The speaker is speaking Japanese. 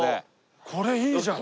これいいじゃん。